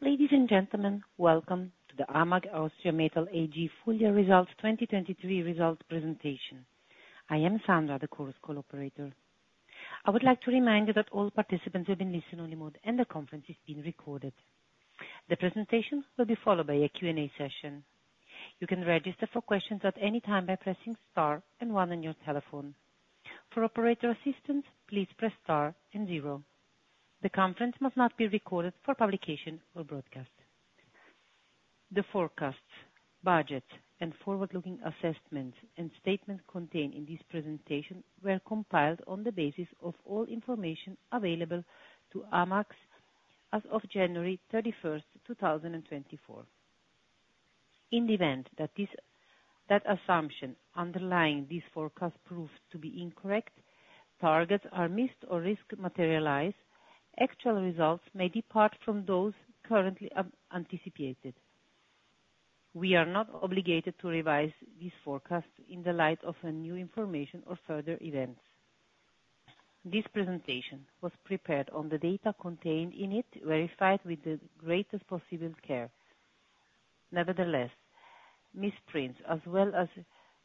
Ladies and gentlemen, welcome to the AMAG Austria Metall AG Full Year Results 2023 results presentation. I am Sandra, the conference operator. I would like to remind you that all participants will be in listen-only mode and the conference is being recorded. The presentation will be followed by a Q&A session. You can register for questions at any time by pressing star and one on your telephone. For operator assistance, please press star and zero. The conference must not be recorded for publication or broadcast. The forecasts, budgets, and forward-looking assessments and statements contained in this presentation were compiled on the basis of all information available to AMAG as of January 31st, 2024. In the event that this assumption underlying this forecast proved to be incorrect, targets are missed, or risk materializes, actual results may depart from those currently anticipated. We are not obligated to revise this forecast in the light of new information or further events. This presentation was prepared on the data contained in it, verified with the greatest possible care. Nevertheless, misprints as well as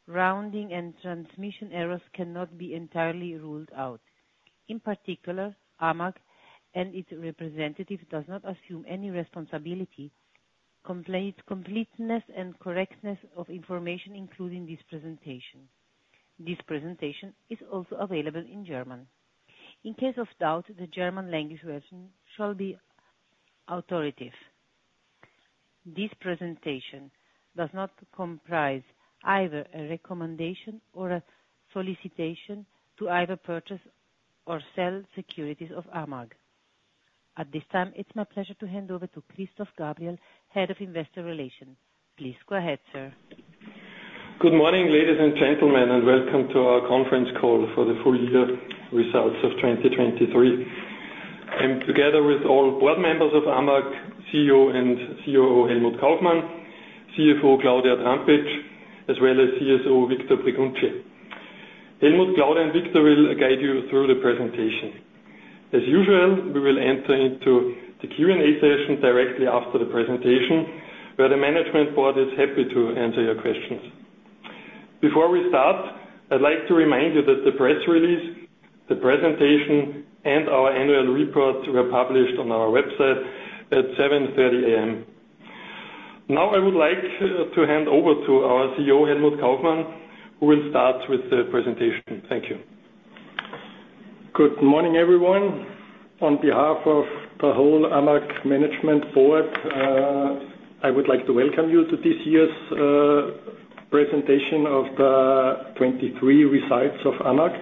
rounding and transmission errors cannot be entirely ruled out. In particular, AMAG and its representative does not assume any responsibility for the completeness and correctness of information including this presentation. This presentation is also available in German. In case of doubt, the German language version shall be authoritative. This presentation does not comprise either a recommendation or a solicitation to either purchase or sell securities of AMAG. At this time, it's my pleasure to hand over to Christoph Gabriel, Head of Investor Relations. Please go ahead, sir. Good morning, ladies and gentlemen, and welcome to our conference call for the full year results of 2023. I'm together with all board members of AMAG, CEO and COO Helmut Kaufmann, CFO Claudia Trampitsch, as well as CSO Victor Breguncci. Helmut, Claudia, and Victor will guide you through the presentation. As usual, we will enter into the Q&A session directly after the presentation, where the management board is happy to answer your questions. Before we start, I'd like to remind you that the press release, the presentation, and our annual reports were published on our website at 7:30 A.M. Now I would like to hand over to our CEO Helmut Kaufmann, who will start with the presentation. Thank you. Good morning, everyone. On behalf of the whole AMAG management board, I would like to welcome you to this year's presentation of the 2023 results of AMAG.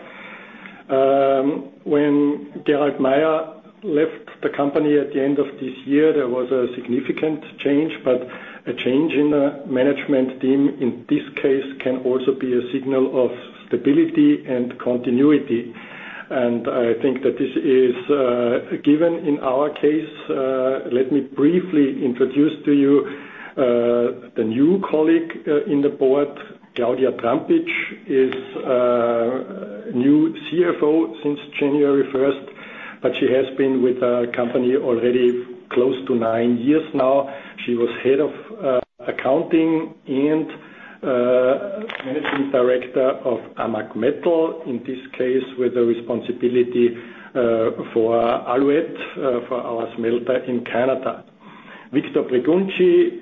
When Gerald Mayer left the company at the end of this year, there was a significant change, but a change in the management team, in this case, can also be a signal of stability and continuity. I think that this is given in our case. Let me briefly introduce to you the new colleague in the board. Claudia Trampitsch is new CFO since January 1st, but she has been with the company already close to nine years now. She was head of accounting and managing director of AMAG Metal, in this case with the responsibility for Alouette, for our smelter in Canada. Victor Breguncci,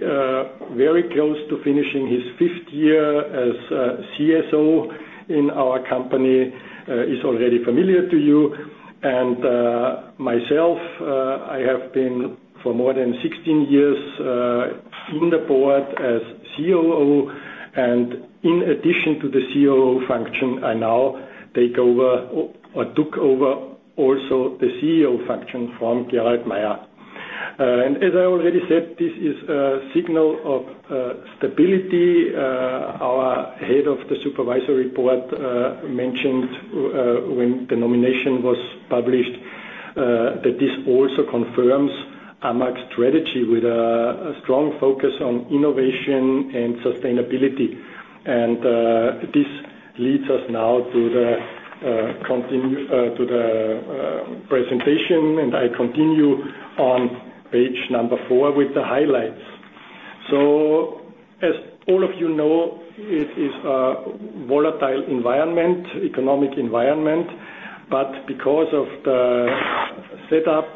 very close to finishing his fifth year as CSO in our company, is already familiar to you. Myself, I have been for more than 16 years in the board as COO. In addition to the COO function, I now take over or took over also the CEO function from Gerald Mayer. As I already said, this is a signal of stability. Our head of the supervisory board mentioned when the nomination was published that this also confirms AMAG's strategy with a strong focus on innovation and sustainability. This leads us now to continue to the presentation, and I continue on page number four with the highlights. As all of you know, it is a volatile environment, economic environment but because of the setup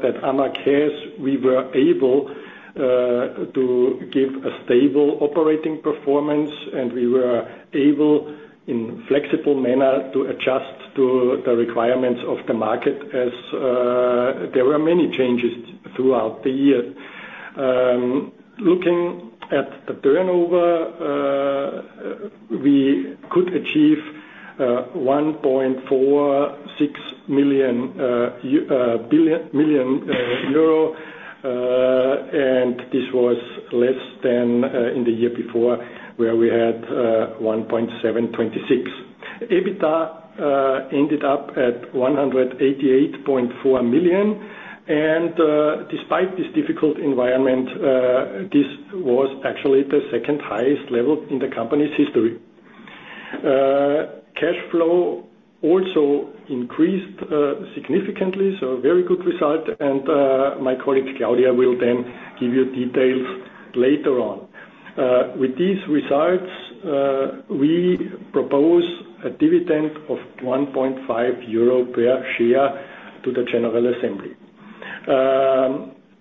that AMAG has, we were able to give a stable operating performance, and we were able, in flexible manner, to adjust to the requirements of the market as there were many changes throughout the year. Looking at the turnover, we could achieve 1.46 million, and this was less than in the year before where we had 1.726. EBITDA ended up at 188.4 million. Despite this difficult environment, this was actually the second highest level in the company's history. Cash flow also increased significantly, so a very good result. My colleague Claudia will then give you details later on. With these results, we propose a dividend of 1.5 euro per share to the general assembly.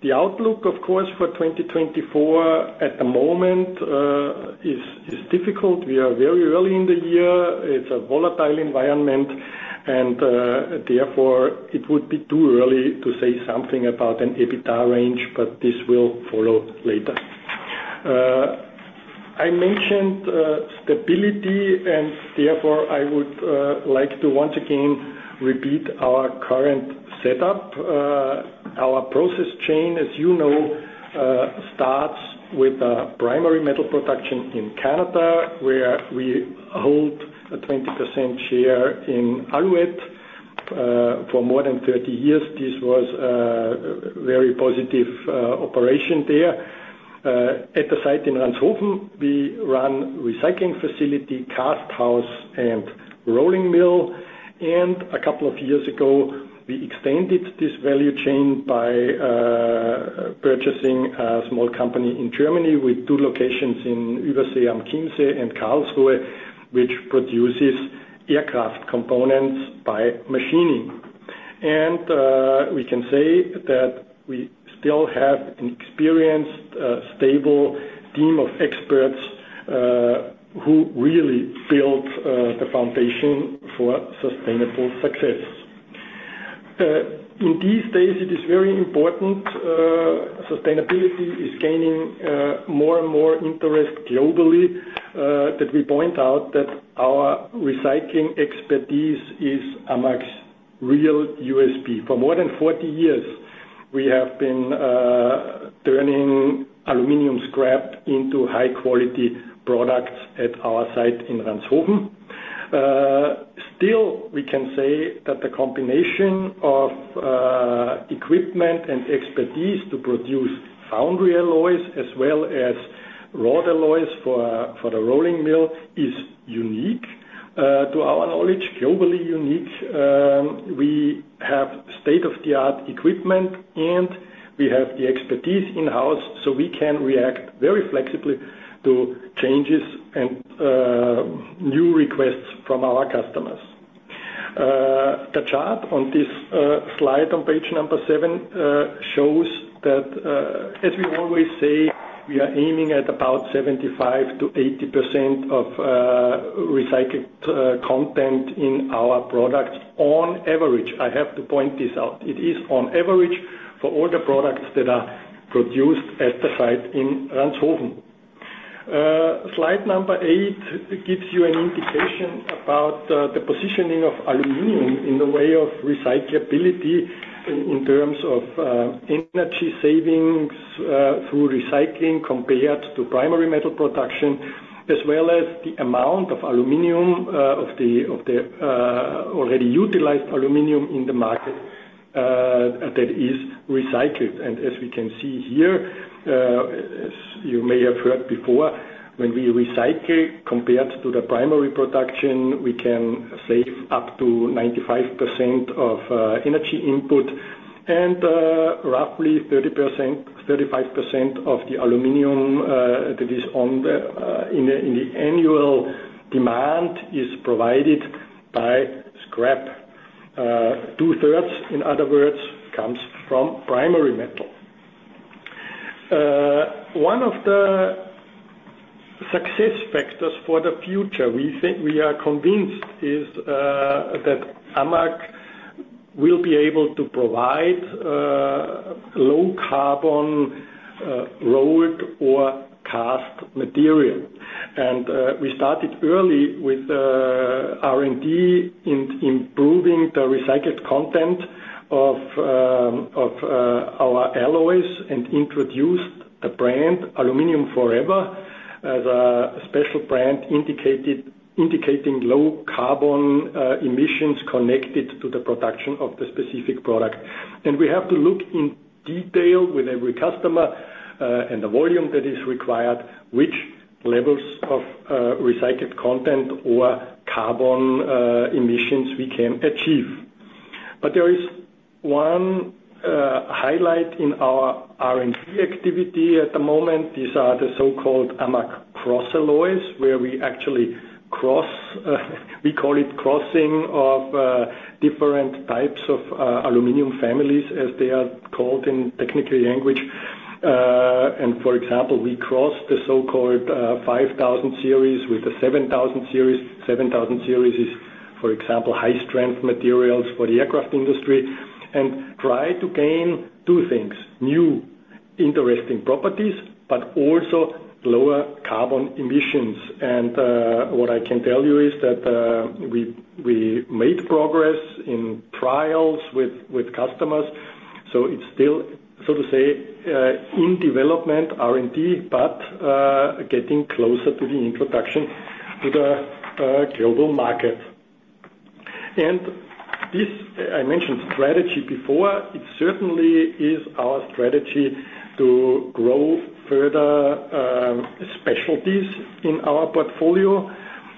The outlook, of course, for 2024 at the moment is difficult. We are very early in the year. It's a volatile environment, and therefore, it would be too early to say something about an EBITDA range, but this will follow later. I mentioned stability, and therefore, I would like to once again repeat our current setup. Our process chain, as you know, starts with primary metal production in Canada, where we hold a 20% share in Alouette for more than 30 years. This was a very positive operation there. At the site in Ranshofen, we run recycling facility, cast house, and rolling mill. A couple of years ago, we extended this value chain by purchasing a small company in Germany with two locations in Übersee am Chiemsee and Karlsruhe, which produces aircraft components by machining. We can say that we still have an experienced, stable team of experts who really built the foundation for sustainable success. In these days, it is very important sustainability is gaining more and more interest globally. That we point out that our recycling expertise is AMAG's real USP. For more than 40 years, we have been turning aluminum scrap into high-quality products at our site in Ranshofen. Still, we can say that the combination of equipment and expertise to produce foundry alloys as well as wrought alloys for the rolling mill is unique to our knowledge, globally unique. We have state-of-the-art equipment, and we have the expertise in-house, so we can react very flexibly to changes and new requests from our customers. The chart on this slide on page seven shows that, as we always say, we are aiming at about 75%-80% recycled content in our products on average. I have to point this out. It is on average for all the products that are produced at the site in Ranshofen. Slide number eight gives you an indication about the positioning of aluminum in the way of recyclability in terms of energy savings through recycling compared to primary metal production, as well as the amount of aluminum of the already utilized aluminum in the market that is recycled. As we can see here, as you may have heard before, when we recycle compared to the primary production, we can save up to 95% of energy input. Roughly 30%-35% of the aluminum that is in the annual demand is provided by scrap. 2/3, in other words, comes from primary metal. One of the success factors for the future, we are convinced, is that AMAG will be able to provide low-carbon rolled or cast material. We started early with R&D in improving the recycled content of our alloys and introduced the brand AL4ever as a special brand indicating low-carbon emissions connected to the production of the specific product. We have to look in detail with every customer and the volume that is required which levels of recycled content or carbon emissions we can achieve. But there is one highlight in our R&D activity at the moment. These are the so-called AMAG CrossAlloy, where we actually, we call it crossing of different types of aluminum families, as they are called in technical language. For example, we cross the so-called 5000 series with the 7000 series. 7000 series is, for example, high-strength materials for the aircraft industry and try to gain two things: new, interesting properties, but also lower carbon emissions. What I can tell you is that we made progress in trials with customers. It's still, so to say, in development, R&D, but getting closer to the introduction to the global market. This I mentioned strategy before. It certainly is our strategy to grow further specialties in our portfolio.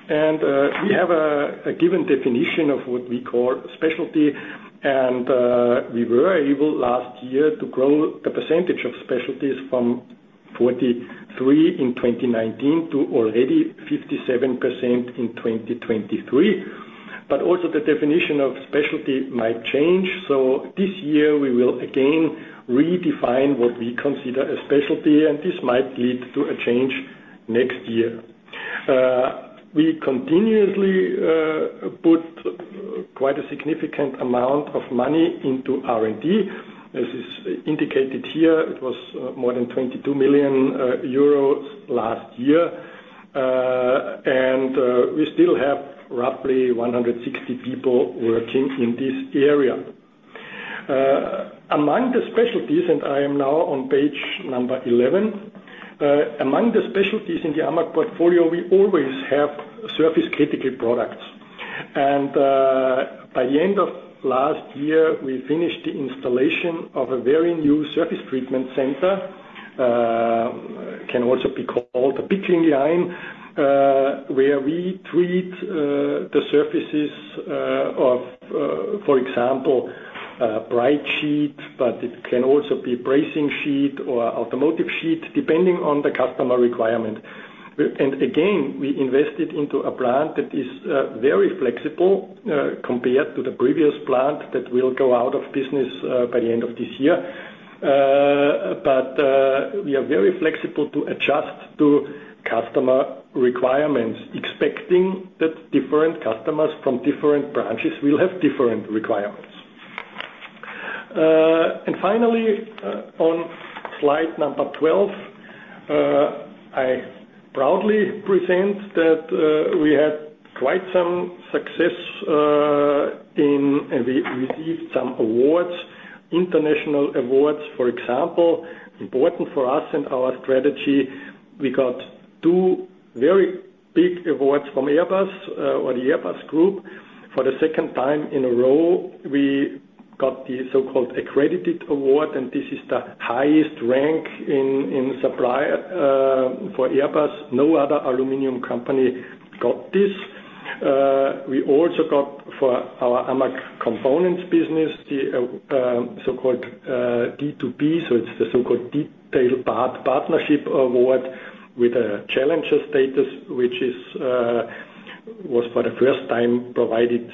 We have a given definition of what we call specialty. We were able last year to grow the percentage of specialties from 43% in 2019 to already 57% in 2023. But also, the definition of specialty might change. This year, we will again redefine what we consider a specialty, and this might lead to a change next year. We continuously put quite a significant amount of money into R&D. As is indicated here, it was more than 22 million euros last year. We still have roughly 160 people working in this area. Among the specialties, and I am now on page number 11. Among the specialties in the AMAG portfolio, we always have surface-critical products and by the end of last year, we finished the installation of a very new surface treatment center, can also be called a pickling line, where we treat the surfaces of, for example, bright sheet, but it can also be brazing sheet or automotive sheet, depending on the customer requirement. Again, we invested into a plant that is very flexible compared to the previous plant that will go out of business by the end of this year. But we are very flexible to adjust to customer requirements, expecting that different customers from different branches will have different requirements. Finally, on slide number 12, I proudly present that we had quite some success in and we received some awards, international awards, for example, important for us and our strategy. We got two very big awards from Airbus or the Airbus Group for the second time in a row. We got the so-called Accredited Award, and this is the highest rank in supply for Airbus. No other aluminum company got this. We also got, for our AMAG Components business, the so-called D2P, so it's the so-called Detail Partnership Award with a challenger status, which was for the first time provided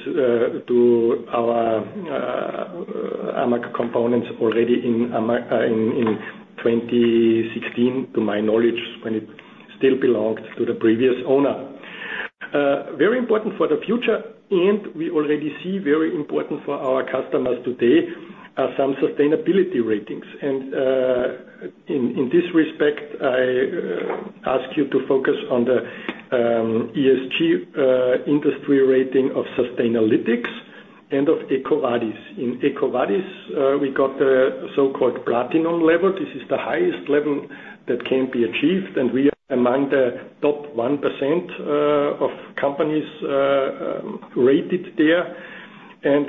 to our AMAG Components already in 2016, to my knowledge, when it still belonged to the previous owner. Very important for the future, and we already see very important for our customers today are some sustainability ratings. In this respect, I ask you to focus on the ESG industry rating of Sustainalytics and of EcoVadis. In EcoVadis, we got the so-called platinum level. This is the highest level that can be achieved, and we are among the top 1% of companies rated there.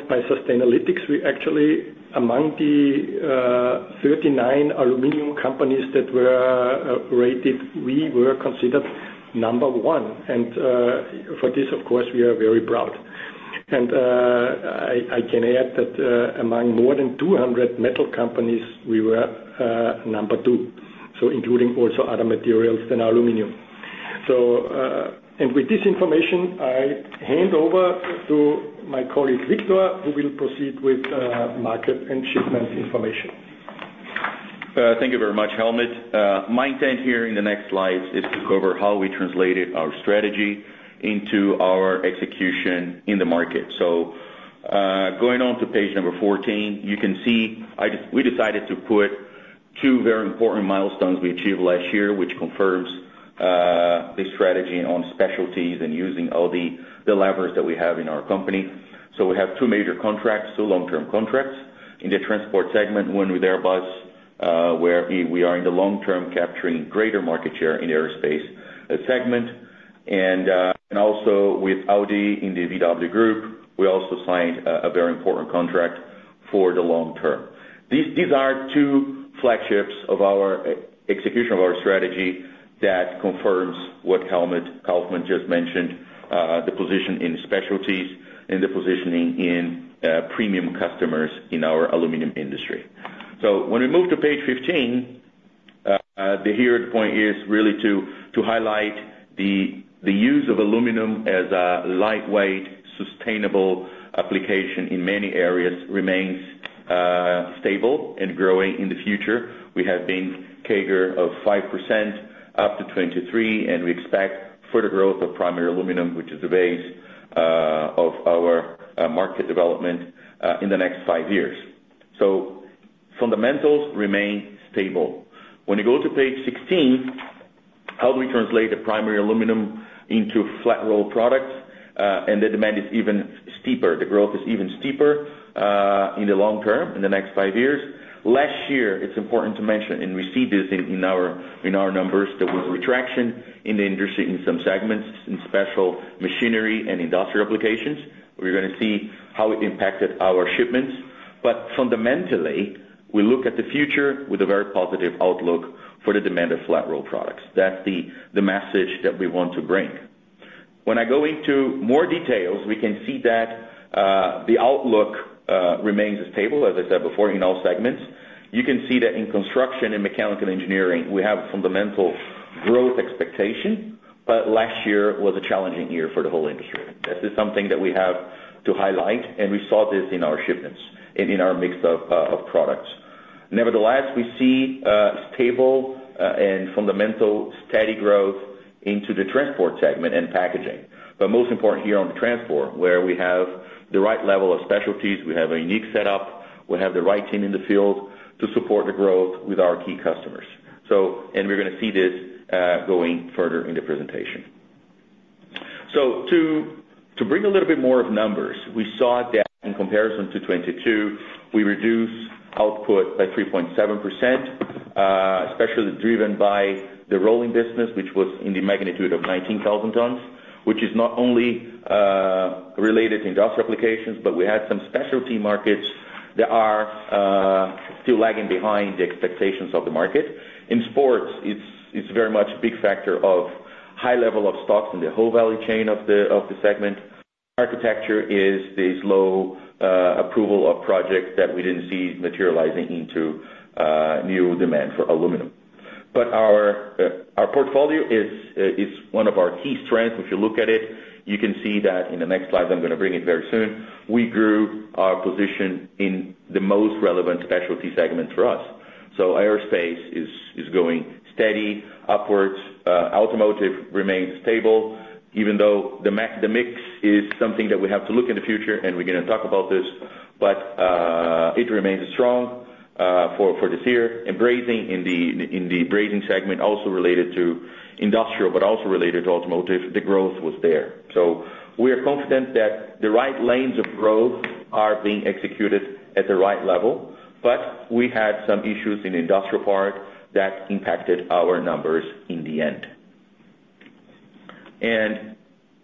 By Sustainalytics, we actually among the 39 aluminum companies that were rated, we were considered number one. For this, of course, we are very proud. I can add that among more than 200 metal companies, we were number two, so including also other materials than aluminum. With this information, I hand over to my colleague Victor, who will proceed with market and shipment information. Thank you very much, Helmut. My intent here in the next slides is to cover how we translated our strategy into our execution in the market. So going on to page number 14, you can see we decided to put two very important milestones we achieved last year, which confirms the strategy on specialties and using all the levers that we have in our company. So we have two major contracts, two long-term contracts in the transport segment. One with Airbus, where we are in the long-term capturing greater market share in aerospace segment. Also, with Audi in the VW Group, we also signed a very important contract for the long term. These are two flagships of our execution of our strategy that confirms what Helmut Kaufmann just mentioned, the position in specialties and the positioning in premium customers in our aluminum industry. So when we move to page 15, here the point is really to highlight the use of aluminum as a lightweight, sustainable application in many areas, remains stable and growing in the future. We have been CAGR of 5% up to 2023, and we expect further growth of primary aluminum, which is the base of our market development in the next five years. So fundamentals remain stable. When you go to page 16, how do we translate the primary aluminum into flat-rolled products and the demand is even steeper? The growth is even steeper in the long term, in the next five years. Last year, it's important to mention, and we see this in our numbers, there was retraction in the industry in some segments, in special machinery and industrial applications. We're going to see how it impacted our shipments. Fundamentally, we look at the future with a very positive outlook for the demand of flat-rolled products. That's the message that we want to bring. When I go into more details, we can see that the outlook remains stable, as I said before, in all segments. You can see that in construction and mechanical engineering, we have fundamental growth expectation, but last year was a challenging year for the whole industry. This is something that we have to highlight, and we saw this in our shipments and in our mix of products. Nevertheless, we see stable and fundamental steady growth into the transport segment and packaging. Most important here on the transport, where we have the right level of specialties, we have a unique setup, we have the right team in the field to support the growth with our key customers. We're going to see this going further in the presentation. To bring a little bit more of numbers, we saw that in comparison to 2022, we reduced output by 3.7%, especially driven by the rolling business, which was in the magnitude of 19,000 tons, which is not only related to industrial applications, but we had some specialty markets that are still lagging behind the expectations of the market. In sports, it's very much a big factor of high level of stocks in the whole value chain of the segment. Architecture is this low approval of projects that we didn't see materializing into new demand for aluminum. But our portfolio is one of our key strengths. If you look at it, you can see that in the next slides, I'm going to bring it very soon, we grew our position in the most relevant specialty segment for us. So aerospace is going steady, upwards. Automotive remains stable, even though the mix is something that we have to look in the future, and we're going to talk about this. But it remains strong for this year and brazing in the brazing segment, also related to industrial, but also related to automotive, the growth was there. So we are confident that the right lanes of growth are being executed at the right level. But we had some issues in the industrial part that impacted our numbers in the end.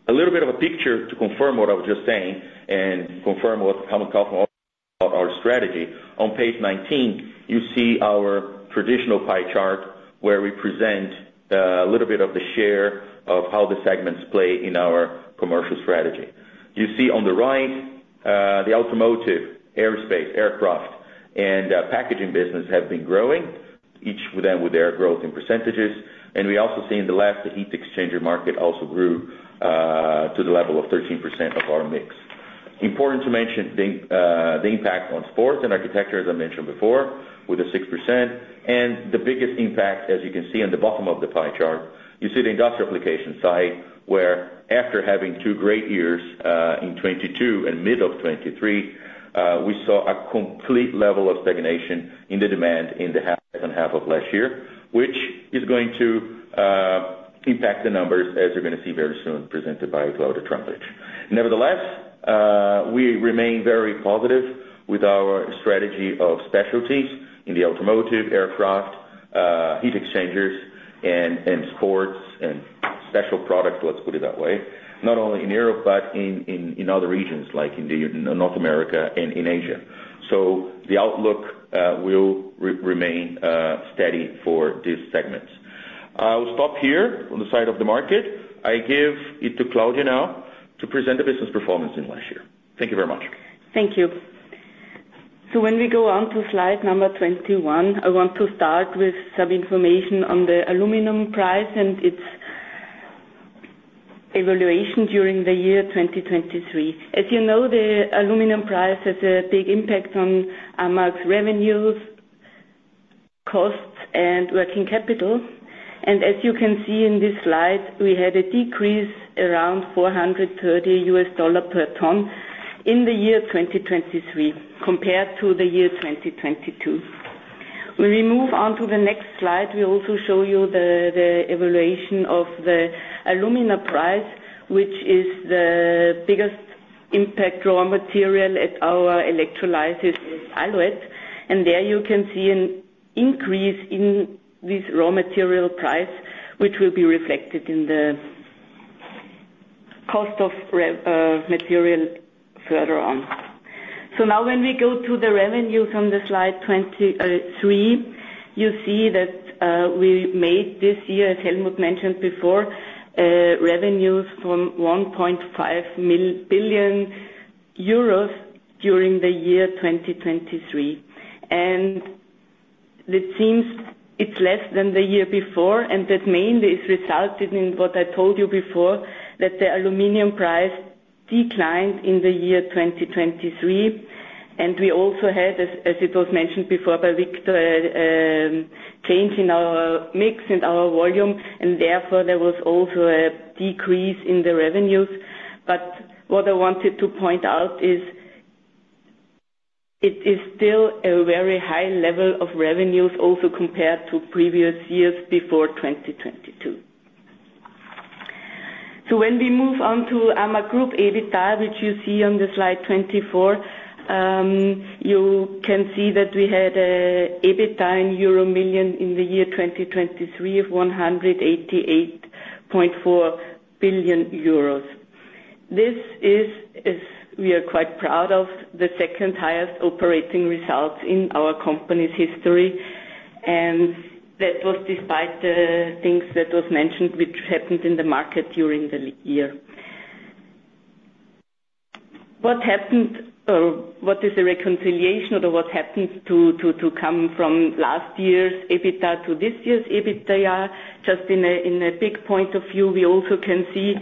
A little bit of a picture to confirm what I was just saying and confirm what Helmut Kaufmann also said about our strategy. On page 19, you see our traditional pie chart where we present a little bit of the share of how the segments play in our commercial strategy. You see on the right, the automotive, aerospace, aircraft, and packaging business have been growing, each with their growth in percentages. We also see in the left, the heat exchanger market also grew to the level of 13% of our mix. Important to mention the impact on sports and architecture, as I mentioned before, with the 6%. The biggest impact, as you can see on the bottom of the pie chart, you see the industrial application side, where after having two great years in 2022 and mid of 2023, we saw a complete level of stagnation in the demand in the half and half of last year, which is going to impact the numbers, as you're going to see very soon, presented by Claudia Trampitsch. Nevertheless, we remain very positive with our strategy of specialties in the automotive, aircraft, heat exchangers, and sports and special products, let's put it that way, not only in Europe, but in other regions like in North America and in Asia. The outlook will remain steady for these segments. I will stop here on the side of the market. I give it to Claudia now to present the business performance in last year. Thank you very much. Thank you. So when we go on to slide number 21, I want to start with some information on the aluminum price and its evolution during the year 2023. As you know, the aluminum price has a big impact on AMAG's revenues, costs, and working capital. As you can see in this slide, we had a decrease around $430 per ton in the year 2023 compared to the year 2022. When we move on to the next slide, we also show you the evolution of the alumina price, which is the biggest impact raw material at our electrolysis alloys and there you can see an increase in this raw material price, which will be reflected in the cost of material further on. So now when we go to the revenues on slide 23, you see that we made this year, as Helmut mentioned before, revenues from 1.5 billion euros during the year 2023. It seems it's less than the year before, and that mainly has resulted in what I told you before, that the aluminum price declined in the year 2023. We also had, as it was mentioned before by Victor, a change in our mix and our volume, and therefore there was also a decrease in the revenues but what I wanted to point out is it is still a very high level of revenues also compared to previous years before 2022. So when we move on to AMAG Group EBITDA, which you see on the slide 24, you can see that we had an EBITDA of 188.4 million in the year 2023. We are quite proud of the second highest operating results in our company's history. That was despite the things that were mentioned, which happened in the market during the year. What happened or what is the reconciliation or what happened to come from last year's EBITDA to this year's EBITDA? Just in a big point of view, we also can see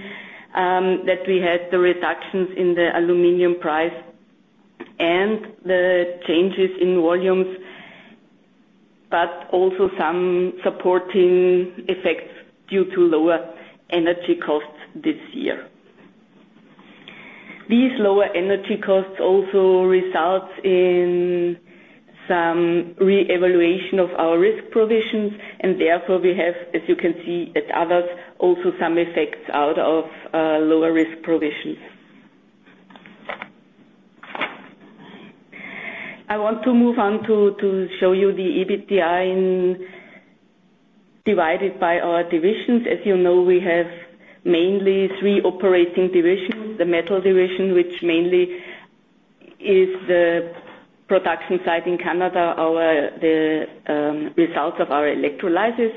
that we had the reductions in the aluminum price and the changes in volumes, but also some supporting effects due to lower energy costs this year. These lower energy costs also result in some reevaluation of our risk provisions, and therefore we have, as you can see at others, also some effects out of lower risk provisions. I want to move on to show you the EBITDA divided by our divisions. As you know, we have mainly three operating divisions: the metal division, which mainly is the production site in Canada, the results of our electrolysis,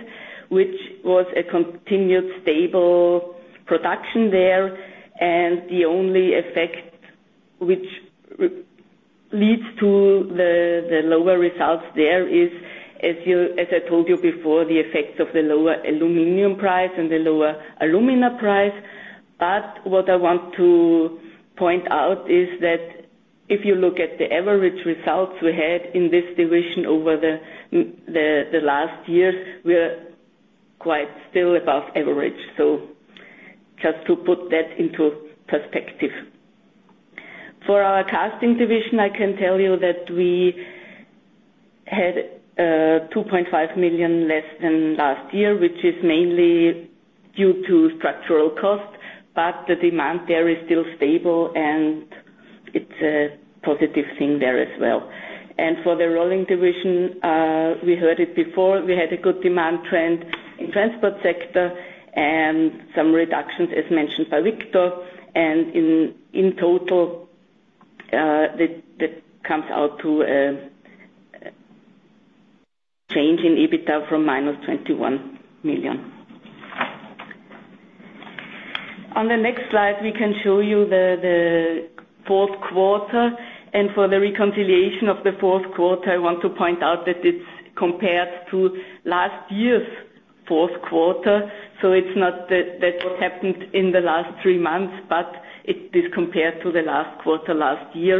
which was a continued stable production there. The only effect which leads to the lower results there is, as I told you before, the effects of the lower aluminum price and the lower alumina price. But what I want to point out is that if you look at the average results we had in this division over the last years, we're quite still above average. So just to put that into perspective. For our casting division, I can tell you that we had 2.5 million less than last year, which is mainly due to structural costs, but the demand there is still stable, and it's a positive thing there as well. For the rolling division, we heard it before. We had a good demand trend in the transport sector and some reductions, as mentioned by Victor. In total, that comes out to a change in EBITDA from -21 million. On the next slide, we can show you the fourth quarter. For the reconciliation of the fourth quarter, I want to point out that it's compared to last year's fourth quarter. So it's not that what happened in the last three months, but it is compared to the last quarter last year.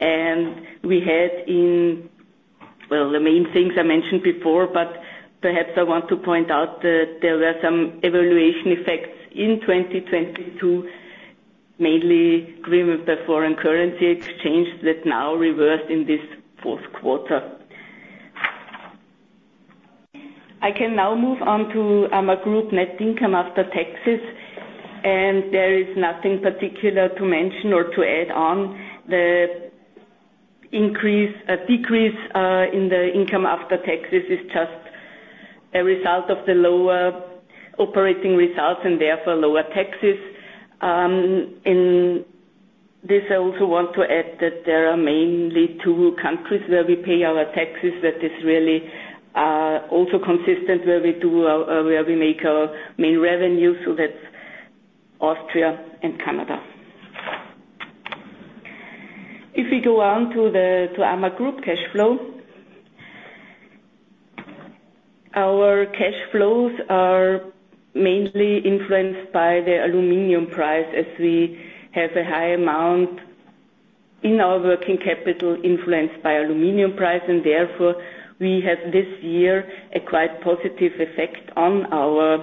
We had, well, the main things I mentioned before, but perhaps I want to point out that there were some valuation effects in 2022, mainly green and foreign currency exchange that now reversed in this fourth quarter. I can now move on to AMAG Group net income after taxes. There is nothing particular to mention or to add on. The decrease in the income after taxes is just a result of the lower operating results and therefore lower taxes. In this, I also want to add that there are mainly two countries where we pay our taxes that is really also consistent where we make our main revenue. So that's Austria and Canada. If we go on to AMAG Group cash flow, our cash flows are mainly influenced by the aluminum price as we have a high amount in our working capital influenced by aluminum price and therefore, we have this year a quite positive effect on our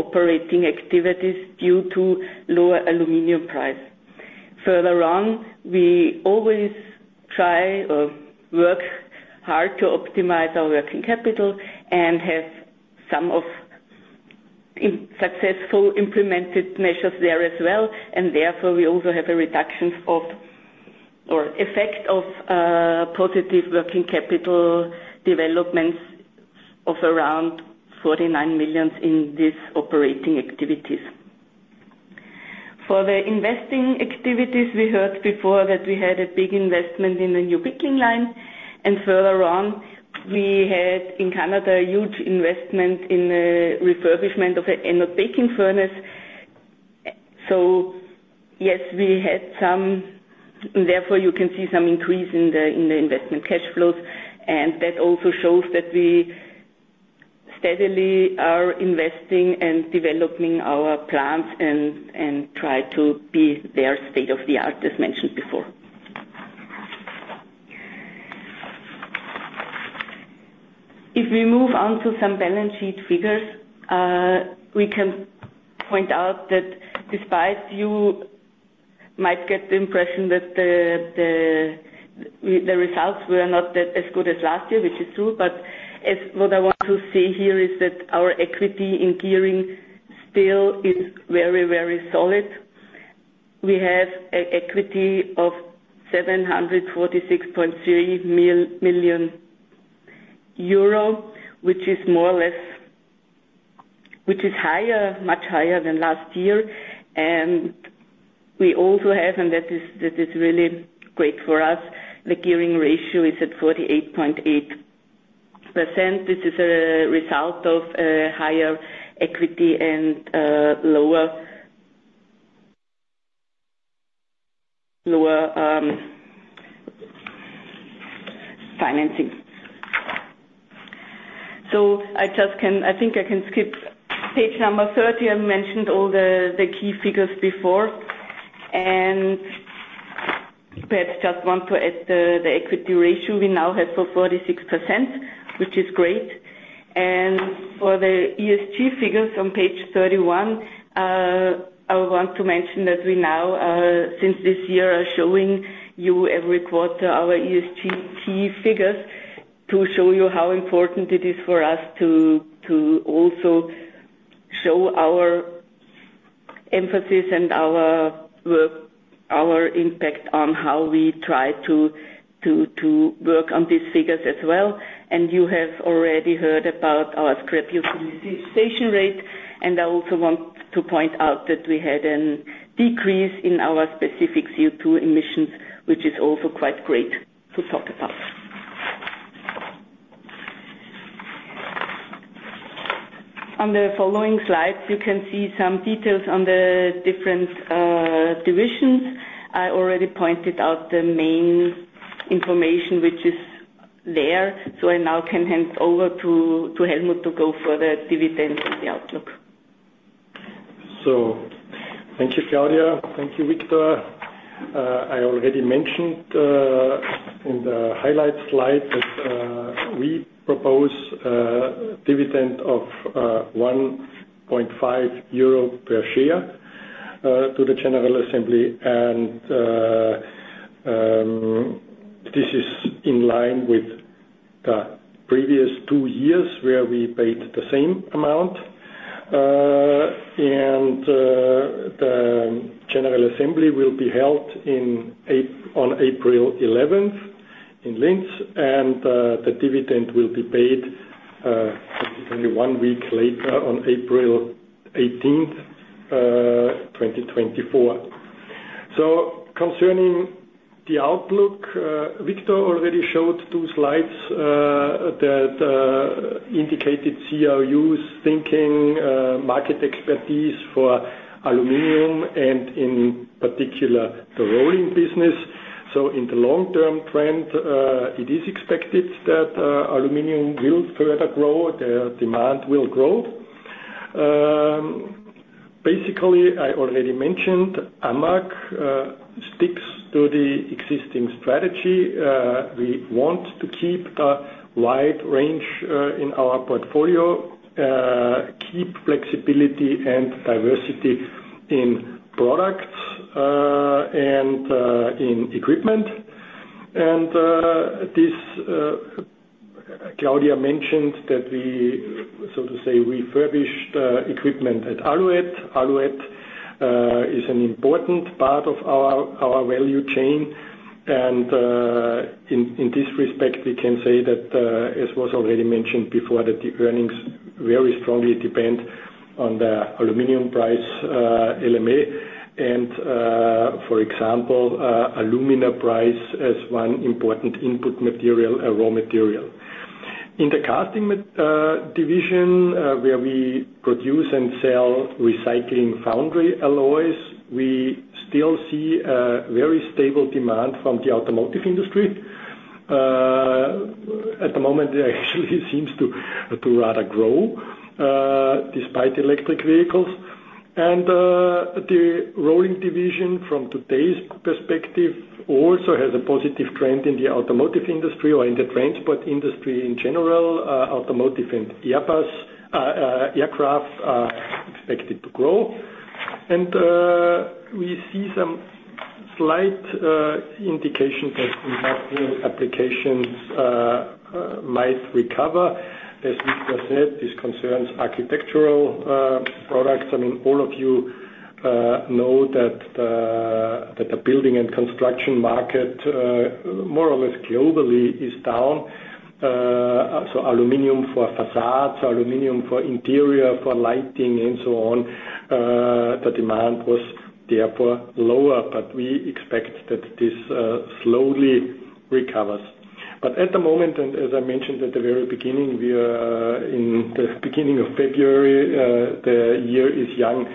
operating activities due to lower aluminum price. Further on, we always try or work hard to optimize our working capital and have some of successfully implemented measures there as well. Therefore, we also have a reduction or effect of positive working capital developments of around 49 million in these operating activities. For the investing activities, we heard before that we had a big investment in the new pickling line. Further on, we had in Canada a huge investment in the refurbishment of an anode baking furnace. So yes, we had some, and therefore you can see some increase in the investment cash flows. That also shows that we steadily are investing and developing our plants and try to be at the state of the art, as mentioned before. If we move on to some balance sheet figures, we can point out that despite you might get the impression that the results were not as good as last year, which is true, but what I want to see here is that our equity in gearing still is very, very solid. We have an equity of 746.3 million euro, which is higher, much higher than last year. We also have, and that is really great for us, the gearing ratio is at 48.8%. This is a result of higher equity and lower financing. So I think I can skip page number 30. I mentioned all the key figures before. Perhaps just want to add the equity ratio we now have for 46%, which is great. For the ESG figures on page 31, I want to mention that we now, since this year, are showing you every quarter our ESG key figures to show you how important it is for us to also show our emphasis and our impact on how we try to work on these figures as well. You have already heard about our scrap utilization rate. I also want to point out that we had a decrease in our specific CO2 emissions, which is also quite great to talk about. On the following slides, you can see some details on the different divisions. I already pointed out the main information, which is there. So I now can hand over to Helmut to go for the dividend and the outlook. So thank you, Claudia. Thank you, Victor. I already mentioned in the highlight slide that we propose a dividend of 1.5 euro per share to the General Assembly. This is in line with the previous two years where we paid the same amount. The General Assembly will be held on April 11th in Linz, and the dividend will be paid one week later on April 18th, 2024. Concerning the outlook, Victor already showed two slides that indicated CRU's thinking, market expertise for aluminum, and in particular, the rolling business. In the long-term trend, it is expected that aluminum will further grow. The demand will grow. Basically, I already mentioned AMAG sticks to the existing strategy. We want to keep the wide range in our portfolio, keep flexibility and diversity in products and in equipment. Claudia mentioned that we, so to say, refurbished equipment at Alouette. Alouette is an important part of our value chain. In this respect, we can say that, as was already mentioned before, that the earnings very strongly depend on the aluminum price LME and, for example, alumina price as one important input material, a raw material. In the casting division where we produce and sell recycled foundry alloys, we still see a very stable demand from the automotive industry. At the moment, it actually seems to rather grow despite electric vehicles. The rolling division, from today's perspective, also has a positive trend in the automotive industry or in the transport industry in general. Automotive and aircraft are expected to grow. We see some slight indication that industrial applications might recover. As Victor said, this concerns architectural products. I mean, all of you know that the building and construction market, more or less globally, is down. So aluminum for facades, aluminum for interior, for lighting, and so on, the demand was therefore lower. But we expect that this slowly recovers. But at the moment, and as I mentioned at the very beginning, we are in the beginning of February. The year is young,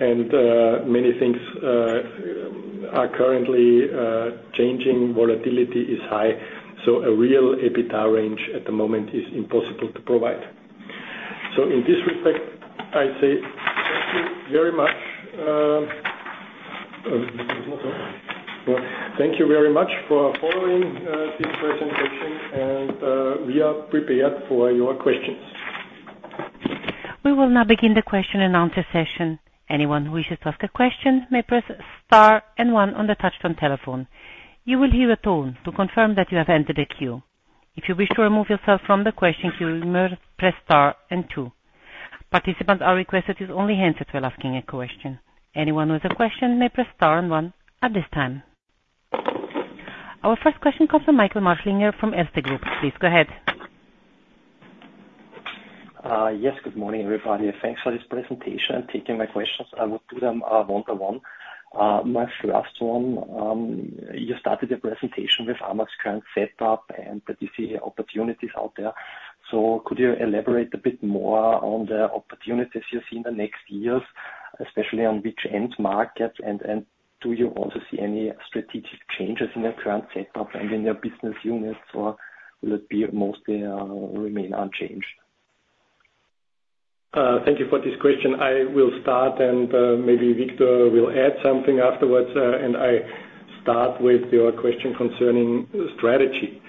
and many things are currently changing. Volatility is high. So a real EBITDA range at the moment is impossible to provide. So in this respect, I say thank you very much. Thank you very much for following this presentation, and we are prepared for your questions. We will now begin the question-and-answer session. Anyone who wishes to ask a question may press star and one on the touchscreen telephone. You will hear a tone to confirm that you have entered the queue. If you wish to remove yourself from the question queue, you may press star and two. Participants are requested to use only hands while asking a question. Anyone who has a question may press star and one at this time. Our first question comes from Michael Marschallinger from Erste Group. Please go ahead. Yes. Good morning, everybody. Thanks for this presentation and taking my questions. I will do them one by one. My first one, you started your presentation with AMAG's current setup and that you see opportunities out there. So could you elaborate a bit more on the opportunities you see in the next years, especially on which end markets? Do you also see any strategic changes in your current setup and in your business units, or will it mostly remain unchanged? Thank you for this question. I will start, and maybe Victor will add something afterwards. I start with your question concerning strategy.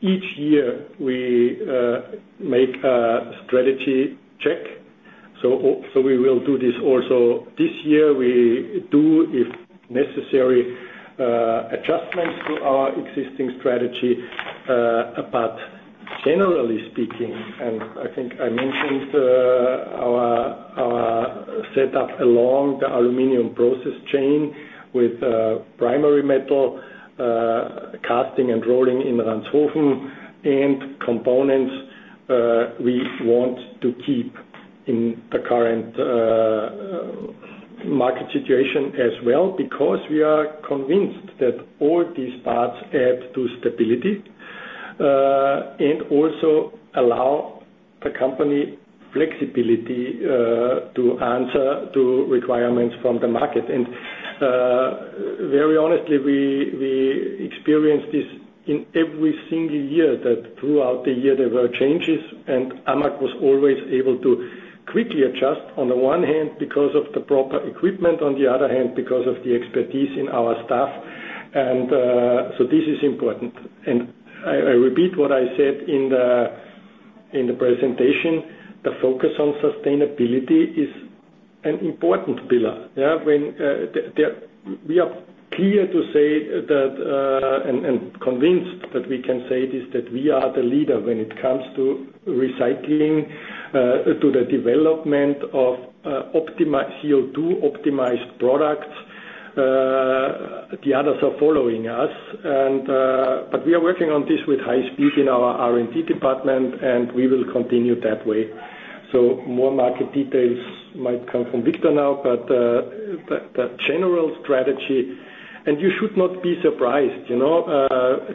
Each year, we make a strategy check. So we will do this also this year. We do, if necessary, adjustments to our existing strategy, but generally speaking, and I think I mentioned our setup along the aluminum process chain with primary metal, casting and rolling in Ranshofen, and components we want to keep in the current market situation as well because we are convinced that all these parts add to stability and also allow the company flexibility to answer to requirements from the market. Very honestly, we experience this in every single year that throughout the year, there were changes. AMAG was always able to quickly adjust, on the one hand, because of the proper equipment, on the other hand, because of the expertise in our staff. So this is important. I repeat what I said in the presentation. The focus on sustainability is an important pillar. We are clear to say that and convinced that we can say this that we are the leader when it comes to recycling, to the development of CO2-optimized products. The others are following us. But we are working on this with high speed in our R&D department, and we will continue that way. More market details might come from Victor now, but the general strategy, and you should not be surprised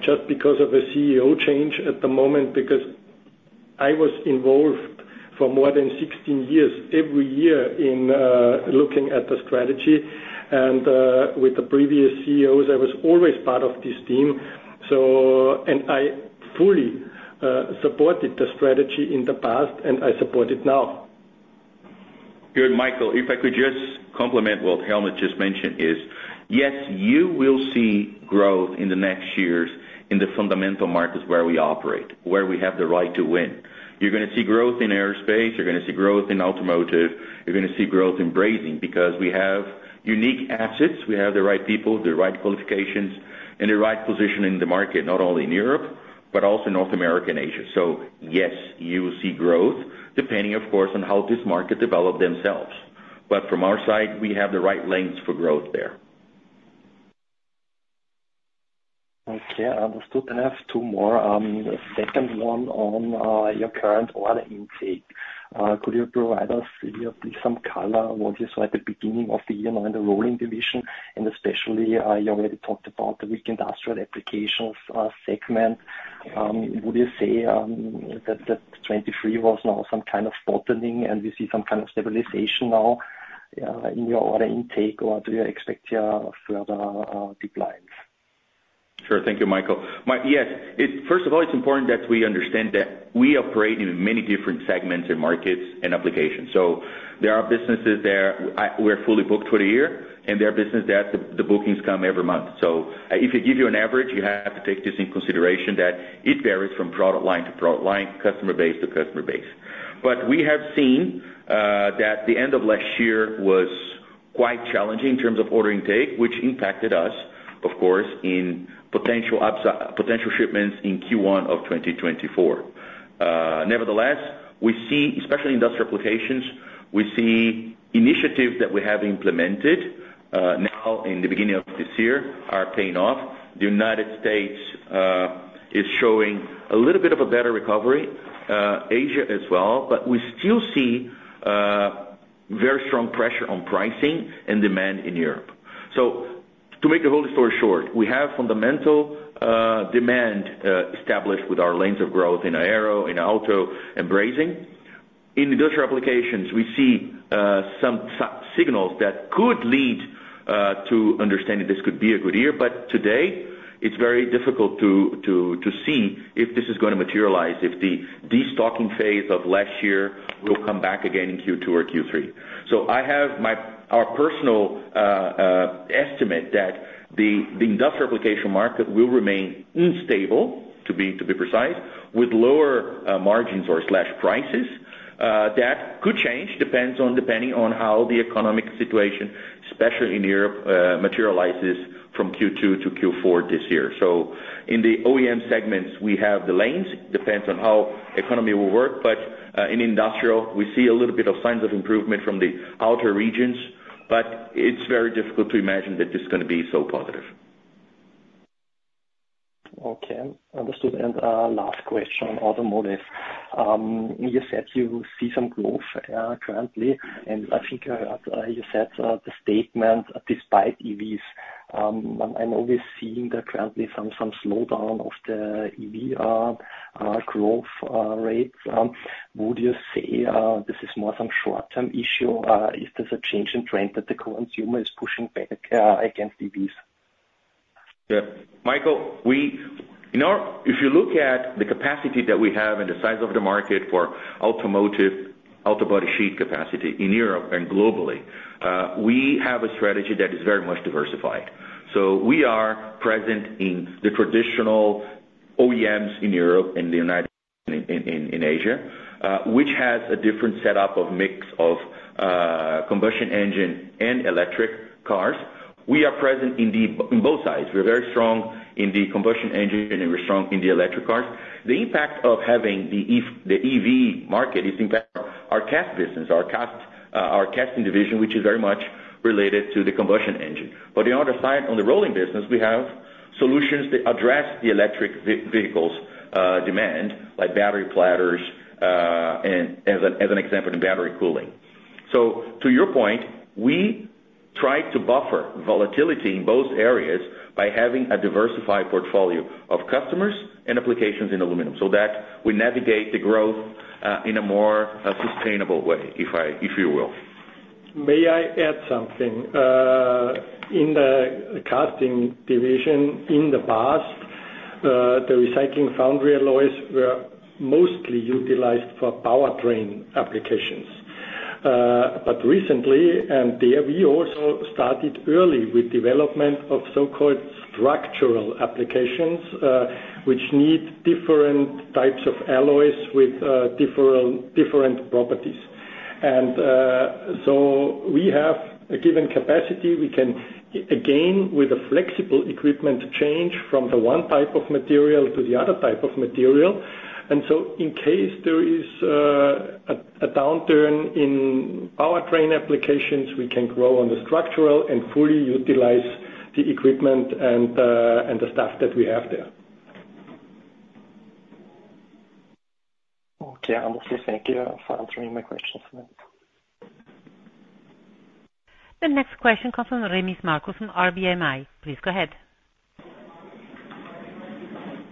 just because of a CEO change at the moment because I was involved for more than 16 years every year in looking at the strategy. With the previous CEOs, I was always part of this team and I fully supported the strategy in the past, and I support it now. Good, Michael. If I could just complement what Helmut just mentioned, yes, you will see growth in the next years in the fundamental markets where we operate, where we have the right to win. You're going to see growth in aerospace. You're going to see growth in automotive. You're going to see growth in brazing because we have unique assets. We have the right people, the right qualifications, and the right position in the market, not only in Europe but also in North America and Asia. So yes, you will see growth depending, of course, on how this market develops themselves. But from our side, we have the right leverage for growth there. Okay. Understood. I have two more. The second one on your current order intake. Could you provide us, if you have please, some color on what you saw at the beginning of the year now in the rolling division? Especially, you already talked about the weak industrial applications segment. Would you say that 2023 was now some kind of bottoming, and we see some kind of stabilization now in your order intake, or do you expect here further declines? Sure. Thank you, Michael. Yes. First of all, it's important that we understand that we operate in many different segments and markets and applications. So there are businesses there we're fully booked for the year, and there are businesses there the bookings come every month. So if I give you an average, you have to take this into consideration that it varies from product line to product line, customer base to customer base. But we have seen that the end of last year was quite challenging in terms of order intake, which impacted us, of course, in potential shipments in Q1 of 2024. Nevertheless, especially in industrial applications, we see initiatives that we have implemented now in the beginning of this year are paying off. The United States is showing a little bit of a better recovery, Asia as well. But we still see very strong pressure on pricing and demand in Europe. So to make the whole story short, we have fundamental demand established with our lanes of growth in aero, in auto, and brazing. In industrial applications, we see some signals that could lead to understanding this could be a good year. But today, it's very difficult to see if this is going to materialize, if the destocking phase of last year will come back again in Q2 or Q3. So I have our personal estimate that the industrial application market will remain unstable, to be precise, with lower margins or prices. That could change, depending on how the economic situation, especially in Europe, materializes from Q2 to Q4 this year. So in the OEM segments, we have the lanes. It depends on how the economy will work. In industrial, we see a little bit of signs of improvement from the outer regions. It's very difficult to imagine that this is going to be so positive. Okay. Understood. Last question, automotive. You said you see some growth currently and I think you said the statement, "Despite EVs," and I know we're seeing currently some slowdown of the EV growth rates. Would you say this is more some short-term issue? Is this a change in trend that the consumer is pushing back against EVs? Yeah. Michael, if you look at the capacity that we have and the size of the market for automotive, auto body sheet capacity in Europe and globally, we have a strategy that is very much diversified. So we are present in the traditional OEMs in Europe and the United States and in Asia, which has a different setup of mix of combustion engine and electric cars. We are present in both sides. We're very strong in the combustion engine, and we're strong in the electric cars. The impact of having the EV market is impacting our cast business, our cast division, which is very much related to the combustion engine, but on the other side, on the rolling business, we have solutions that address the electric vehicles demand like battery plates, as an example, and battery cooling. To your point, we try to buffer volatility in both areas by having a diversified portfolio of customers and applications in aluminum so that we navigate the growth in a more sustainable way, if you will. May I add something? In the casting division, in the past, the recycling foundry alloys were mostly utilized for powertrain applications. But recently, and there, we also started early with development of so-called structural applications, which need different types of alloys with different properties. So we have a given capacity. We can, again, with a flexible equipment, change from the one type of material to the other type of material. So in case there is a downturn in powertrain applications, we can grow on the structural and fully utilize the equipment and the staff that we have there. Okay. Understood. Thank you for answering my questions. The next question comes from Markus Remis from RBI. Please go ahead.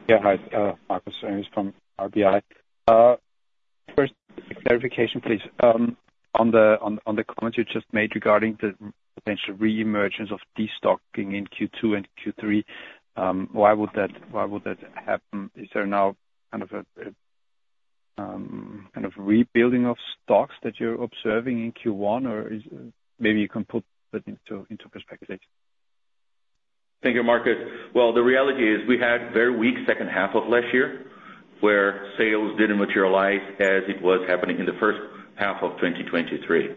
Yeah. Hi, Markus Remis from RBI. First, a clarification, please. On the comments you just made regarding the potential reemergence of destocking in Q2 and Q3, why would that happen? Is there now kind of a rebuilding of stocks that you're observing in Q1, or maybe you can put that into perspective? Thank you, Markus. Well, the reality is we had a very weak second half of last year where sales didn't materialize as it was happening in the first half of 2023.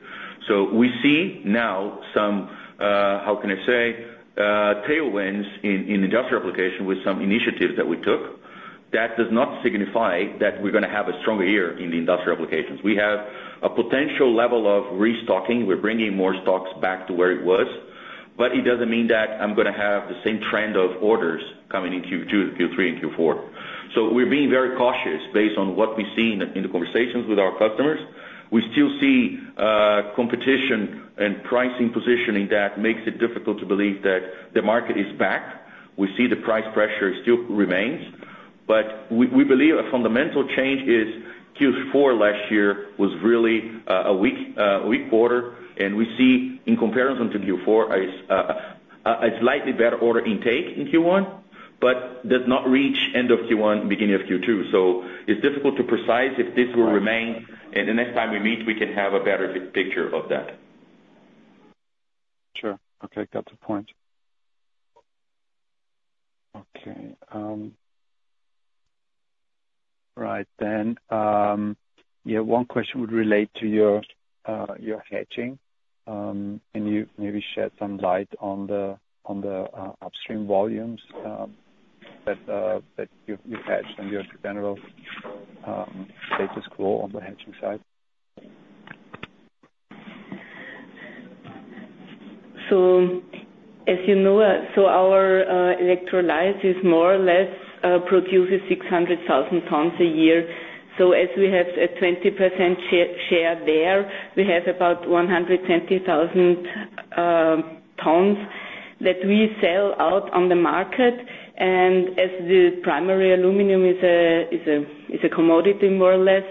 So we see now some, how can I say, tailwinds in industrial applications with some initiatives that we took. That does not signify that we're going to have a stronger year in the industrial applications. We have a potential level of restocking. We're bringing more stocks back to where it was. But it doesn't mean that I'm going to have the same trend of orders coming in Q2, Q3, and Q4. So we're being very cautious based on what we see in the conversations with our customers. We still see competition and pricing positioning that makes it difficult to believe that the market is back. We see the price pressure still remains. We believe a fundamental change is Q4 last year was really a weak quarter. We see, in comparison to Q4, a slightly better order intake in Q1, but does not reach end of Q1, beginning of Q2. It's difficult to predict if this will remain. The next time we meet, we can have a better picture of that. Sure. Okay. Got the point. Okay. All right then. Yeah. One question would relate to your hedging. Can you maybe shed some light on the upstream volumes that you've hedged and your general status quo on the hedging side? So as you know, so our electrolyzers more or less produce 600,000 tons a year. So as we have a 20% share there, we have about 120,000 tons that we sell out on the market and as the primary aluminum is a commodity, more or less,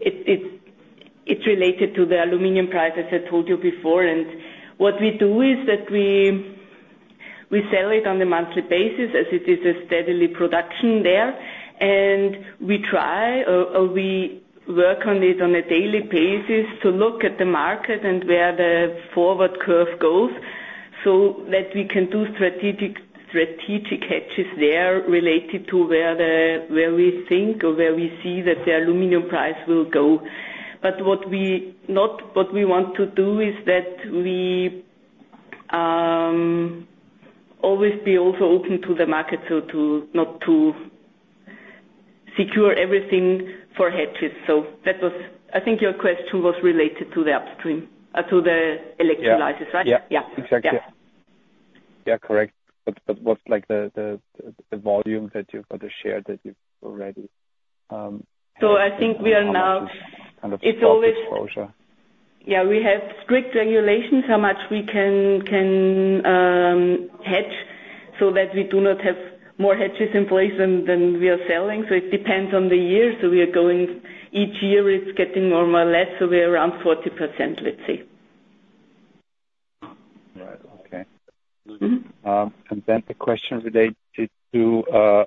it's related to the aluminum price, as I told you before. What we do is that we sell it on a monthly basis as it is a steadily production there. We try or we work on it on a daily basis to look at the market and where the forward curve goes so that we can do strategic hedges there related to where we think or where we see that the aluminum price will go. But what we want to do is that we always be also open to the market, so not to secure everything for hedges. I think your question was related to the upstream, to the electrolyzers, right? Yeah. Exactly. Yeah. Correct. But what's the volume that you've got to share that you've already? So I think we are now. Kind of exposure. It's always. Yeah. We have strict regulations how much we can hedge so that we do not have more hedges in place than we are selling. So it depends on the year. So each year, it's getting more or less. So we're around 40%, let's say. Right. Okay. Then a question related to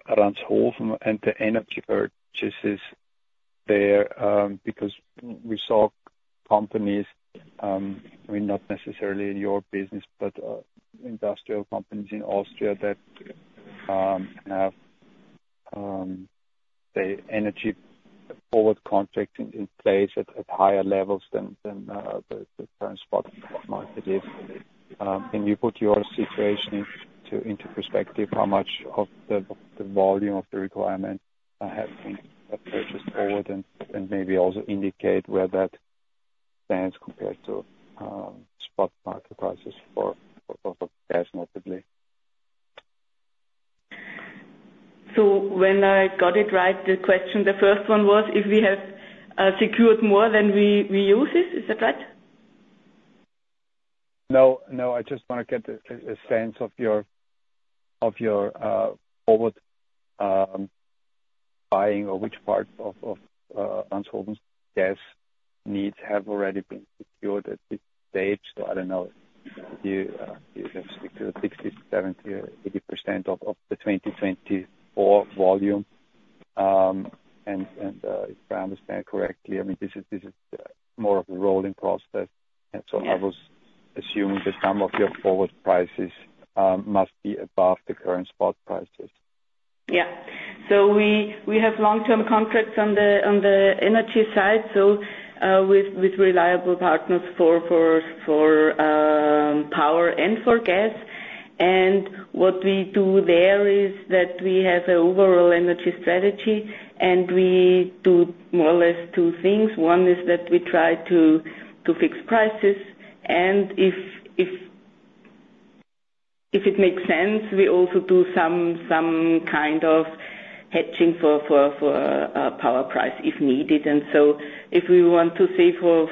Ranshofen and the energy purchases there because we saw companies, not necessarily in your business but industrial companies in Austria, that have, say, energy forward contracts in place at higher levels than the current spot market is. Can you put your situation into perspective, how much of the volume of the requirement has been purchased forward, and maybe also indicate where that stands compared to spot market prices for gas, notably? When I got it right, the question, the first one was, "If we have secured more, then we use it." Is that right? No. No. I just want to get a sense of your forward buying or which part of Ranshofen's gas needs have already been secured at this stage. So I don't know if you have secured 60%, 70%, or 80% of the 2024 volume and if I understand correctly, I mean, this is more of a rolling process. So I was assuming that some of your forward prices must be above the current spot prices. Yeah. So we have long-term contracts on the energy side, so with reliable partners for power and for gas. What we do there is that we have an overall energy strategy. We do more or less two things. One is that we try to fix prices. If it makes sense, we also do some kind of hedging for power price if needed. So if we want to say for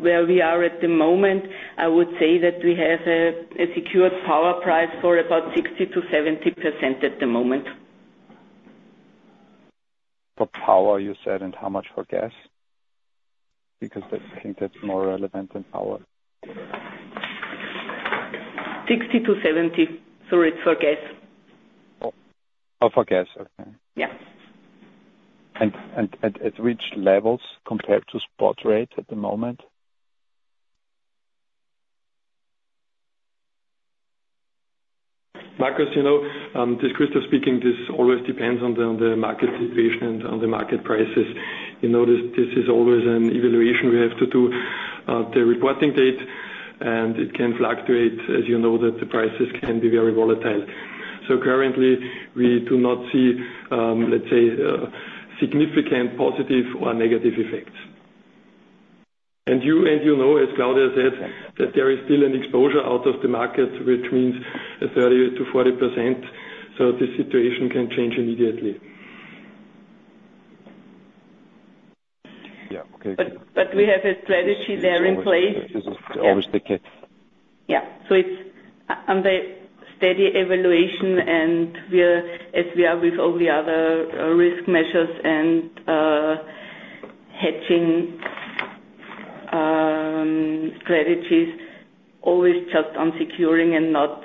where we are at the moment, I would say that we have a secured power price for about 60%-70% at the moment. For power, you said, and how much for gas because I think that's more relevant than power? 60%-70%. So it's for gas. Oh, for gas. Okay. Yeah. At which levels compared to spot rate at the moment? Markus, just Christoph speaking. This always depends on the market situation and on the market prices. This is always an evaluation we have to do, the reporting date. It can fluctuate, as you know, that the prices can be very volatile. Currently, we do not see, let's say, significant positive or negative effects and you know, as Claudia said, that there is still an exposure out of the market, which means 30%-40%. This situation can change immediately. Yeah. Okay. But we have a strategy there in place. Is this always the case? Yeah. So it's on the steady evaluation. As we are with all the other risk measures and hedging strategies, always just on securing and not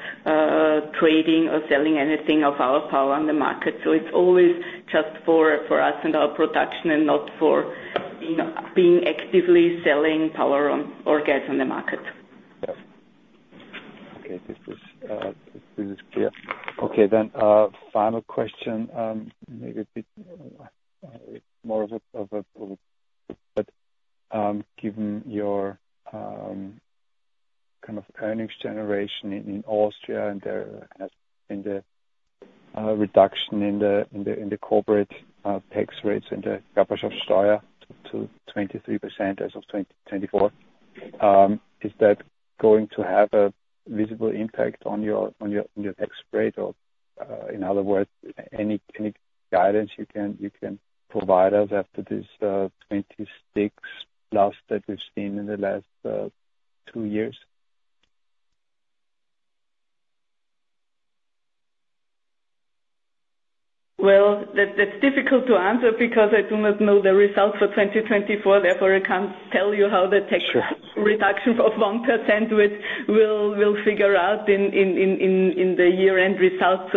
trading or selling anything of our power on the market. So it's always just for us and our production and not for being actively selling power or gas on the market. Yeah. Okay. This is clear. Okay. Then final question, maybe a bit more of a, but given your kind of earnings generation in Austria and the reduction in the corporate tax rates and the Körperschaftssteuer to 23% as of 2024, is that going to have a visible impact on your tax rate or in other words, any guidance you can provide us after this 26%+ that we've seen in the last two years? Well, that's difficult to answer because I do not know the results for 2024. Therefore, I can't tell you how the tax reduction of 1% will figure out in the year-end results.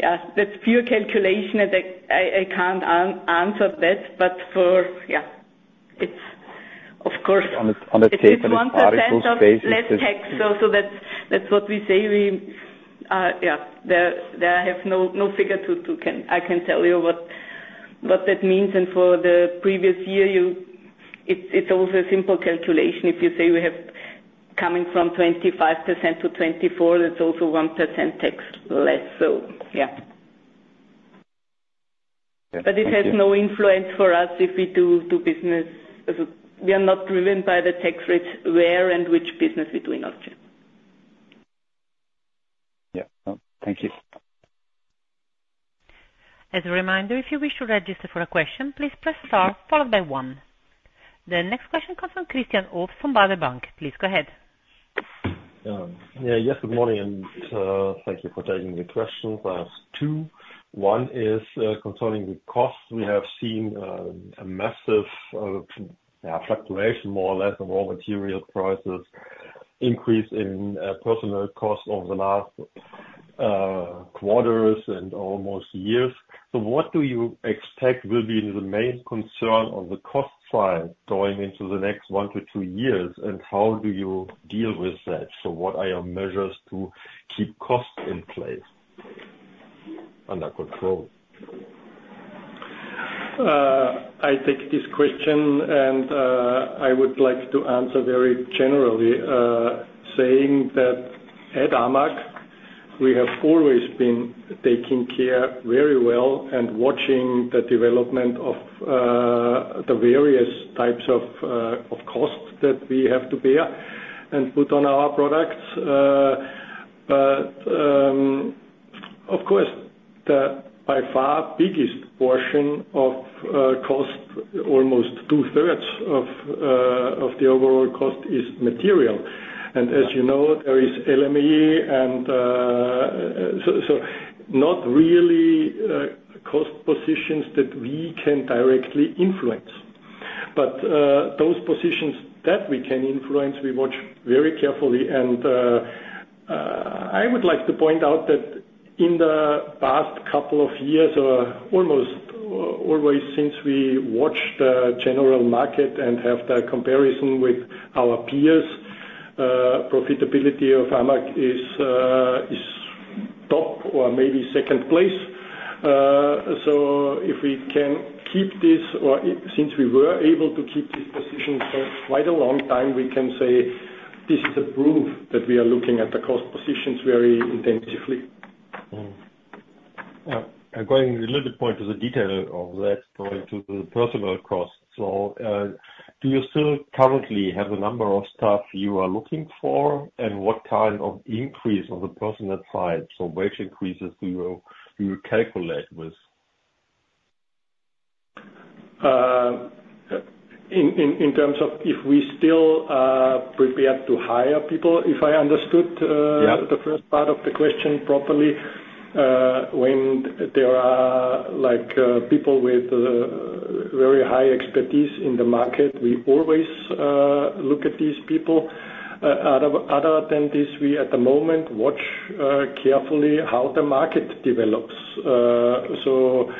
Yeah, that's pure calculation. I can't answer that. Yeah, of course. On a table, it's 1%. It's 1% less tax. So that's what we say. Yeah. There, I have no figure. I can tell you what that means. For the previous year, it's also a simple calculation. If you say we have coming from 25% to 24%, that's also 1% tax less. So yeah. But it has no influence for us if we do business. We are not driven by the tax rates where and which business we do in Austria. Yeah. Thank you. As a reminder, if you wish to register for a question, please press star followed by one. The next question comes from Christian Obst from Baader Bank. Please go ahead. Yeah. Yes. Good morning. Thank you for taking the questions. I have two. One is concerning the costs. We have seen a massive fluctuation, more or less, of raw material prices, increase in personal costs over the last quarters and almost years. So what do you expect will be the main concern on the cost side going into the next 1-2 years and how do you deal with that? So what are your measures to keep costs in place under control? I take this question. I would like to answer very generally, saying that at AMAG, we have always been taking care very well and watching the development of the various types of costs that we have to bear and put on our products. But of course, the by far biggest portion of cost, almost 2/3 of the overall cost, is material. As you know, there is LME. So not really cost positions that we can directly influence. But those positions that we can influence, we watch very carefully and I would like to point out that in the past couple of years or almost always since we watched the general market and have the comparison with our peers, profitability of AMAG is top or maybe second place. If we can keep this or since we were able to keep this position for quite a long time, we can say this is a proof that we are looking at the cost positions very intensively. Yeah. Going a little bit more into the detail of that, going to the personnel costs, so do you still currently have the number of staff you are looking for and what kind of increase on the personnel side? So wage increases, do you calculate with? In terms of if we still prepare to hire people, if I understood the first part of the question properly? When there are people with very high expertise in the market, we always look at these people. Other than this, we at the moment watch carefully how the market develops. So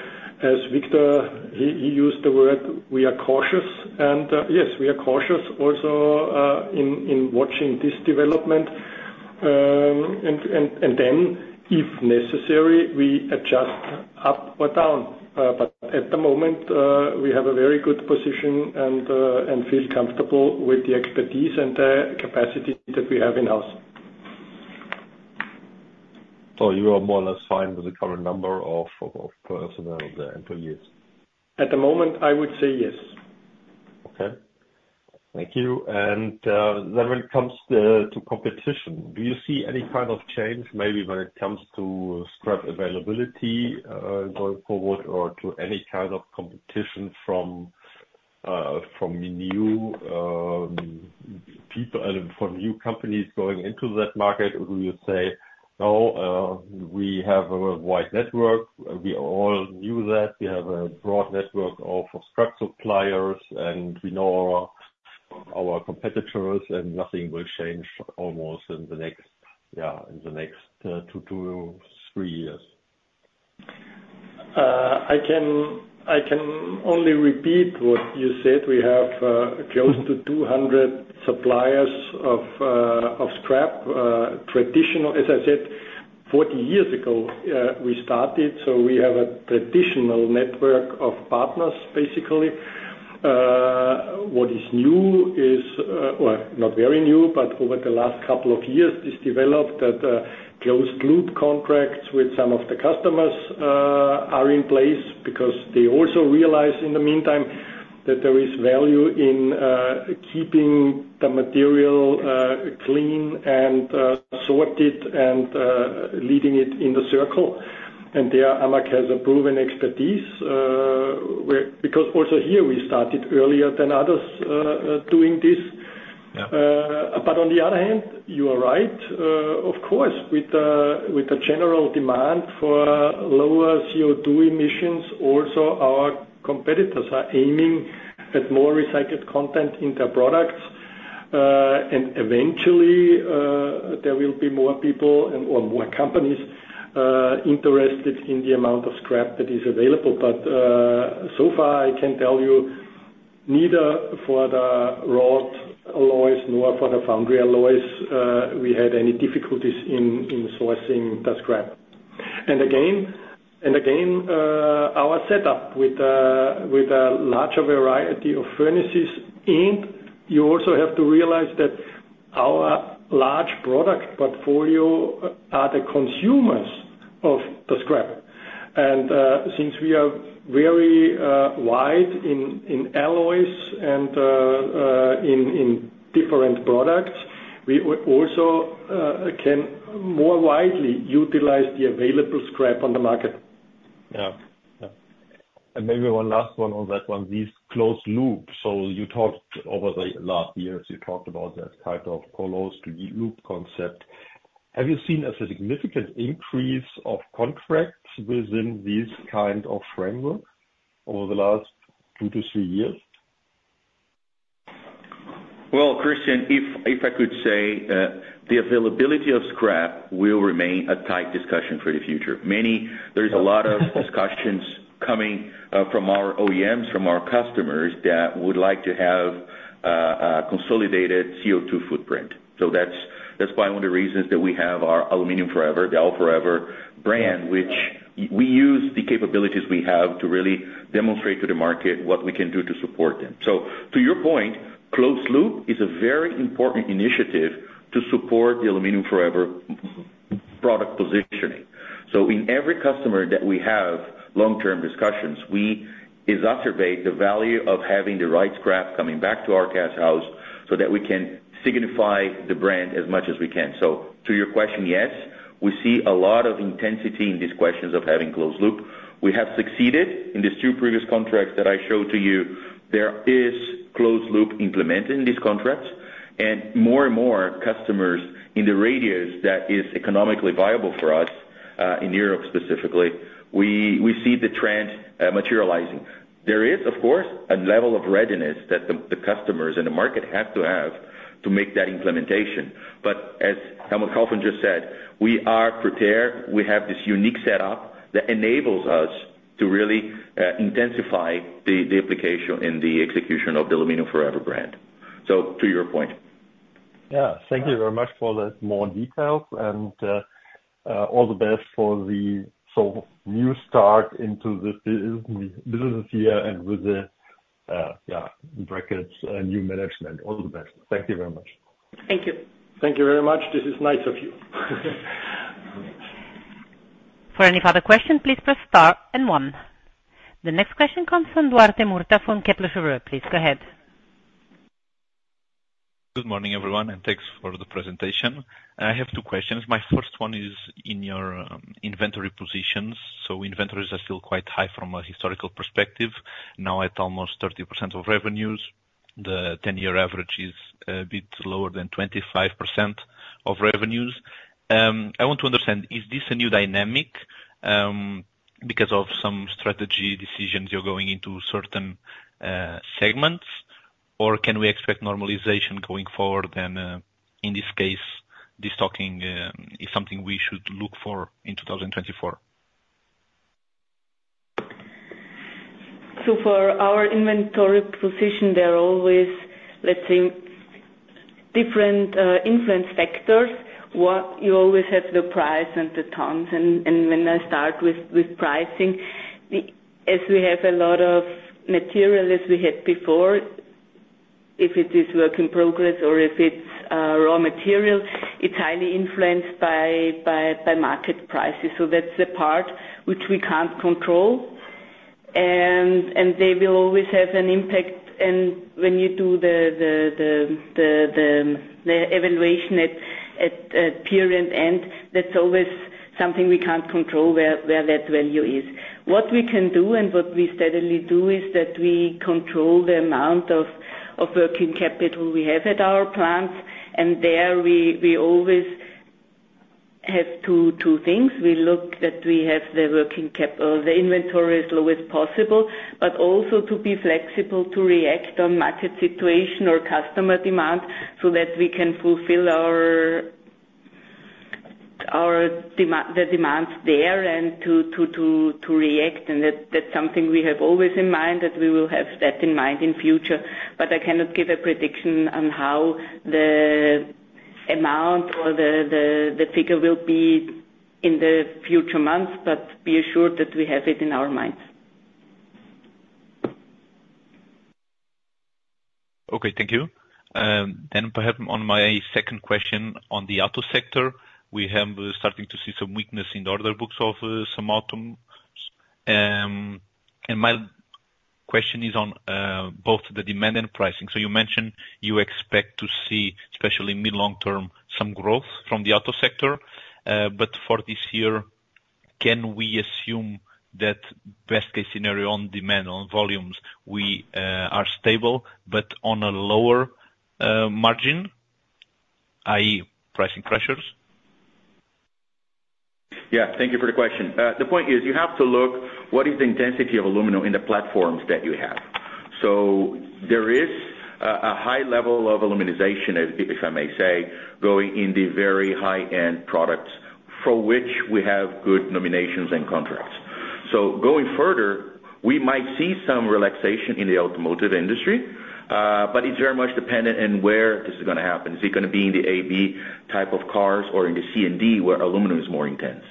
as Victor, he used the word, "We are cautious," and yes, we are cautious also in watching this development and then if necessary, we adjust up or down. But at the moment, we have a very good position and feel comfortable with the expertise and the capacity that we have in-house. You are more or less fine with the current number of personnel, the employees? At the moment, I would say yes. Okay. Thank you. Then when it comes to competition, do you see any kind of change, maybe when it comes to scrap availability going forward or to any kind of competition from new companies going into that market? Or do you say, "No, we have a wide network?" We all knew that. We have a broad network of scrap suppliers and we know our competitors and nothing will change almost in the next two, three, years. I can only repeat what you said. We have close to 200 suppliers of scrap traditional. As I said, 40 years ago, we started. So we have a traditional network of partners, basically. What is new is or not very new, but over the last couple of years, this developed that closed-loop contracts with some of the customers are in place because they also realize in the meantime that there is value in keeping the material clean and sorted and leading it in the circle. There, AMAG has a proven expertise because also here, we started earlier than others doing this. But on the other hand, you are right, of course, with the general demand for lower CO2 emissions. Also, our competitors are aiming at more recycled content in their products. Eventually, there will be more people or more companies interested in the amount of scrap that is available. But so far, I can tell you, neither for the raw alloys nor for the foundry alloys, we had any difficulties in sourcing the scrap. Again, our setup with a larger variety of furnaces. You also have to realize that our large product portfolio are the consumers of the scrap. Since we are very wide in alloys and in different products, we also can more widely utilize the available scrap on the market. Yeah. Yeah. Maybe one last one on that one, this closed loop. So you talked over the last years, you talked about that kind of closed-loop concept. Have you seen a significant increase of contracts within this kind of framework over the last two to three years? Well, Christian, if I could say, the availability of scrap will remain a tight discussion for the future. There is a lot of discussions coming from our OEMs, from our customers that would like to have a consolidated CO2 footprint. So that's one of the reasons that we have our Aluminium Forever, the Al4Ever brand, which we use the capabilities we have to really demonstrate to the market what we can do to support them. So to your point, closed loop is a very important initiative to support the Aluminium Forever product positioning. So in every customer that we have, long-term discussions, we exacerbate the value of having the right scrap coming back to our cast house so that we can signify the brand as much as we can. So to your question, yes, we see a lot of intensity in these questions of having closed loop. We have succeeded. In these two previous contracts that I showed to you, there is closed loop implemented in these contracts and more and more customers in the radius that is economically viable for us, in Europe specifically, we see the trend materializing. There is, of course, a level of readiness that the customers and the market have to have to make that implementation. But as Dr. Kaufmann just said, we are prepared. We have this unique setup that enables us to really intensify the application and the execution of the AL4ever brand. So to your point. Yeah. Thank you very much for the more details. All the best for the new start into the business year and with the, yeah, new management. All the best. Thank you very much. Thank you. Thank you very much. This is nice of you. For any further questions, please press star and one. The next question comes from Duarte Murta from Kepler Cheuvreux. Please go ahead. Good morning, everyone. Thanks for the presentation. I have two questions. My first one is in your inventory positions. So inventories are still quite high from a historical perspective. Now, at almost 30% of revenues, the 10-year average is a bit lower than 25% of revenues. I want to understand, is this a new dynamic because of some strategy decisions you're going into certain segments or can we expect normalization going forward? In this case, this talking is something we should look for in 2024. So for our inventory position, there are always, let's say, different influence factors. You always have the price and the tons and when I start with pricing, as we have a lot of material as we had before, if it is work in progress or if it's raw material, it's highly influenced by market prices. So that's the part which we can't control and they will always have an impact. When you do the evaluation at period end, that's always something we can't control where that value is. What we can do and what we steadily do is that we control the amount of working capital we have at our plants and there, we always have two things. We look that we have the inventory as low as possible, but also to be flexible to react on market situation or customer demand so that we can fulfill the demands there and to react. That's something we have always in mind, that we will have that in mind in future. I cannot give a prediction on how the amount or the figure will be in the future months. Be assured that we have it in our minds. Okay. Thank you. Perhaps on my second question on the auto sector, we have starting to see some weakness in the order books of some auto. My question is on both the demand and pricing. You mentioned you expect to see, especially mid-long term, some growth from the auto sector. For this year, can we assume that best-case scenario on demand, on volumes, we are stable but on a lower margin, i.e., pricing pressures? Yeah. Thank you for the question. The point is you have to look what is the intensity of aluminum in the platforms that you have. So there is a high level of aluminization, if I may say, going in the very high-end products for which we have good nominations and contracts. So going further, we might see some relaxation in the automotive industry. But it's very much dependent on where this is going to happen. Is it going to be in the A/B type of cars or in the C and D where aluminum is more intense?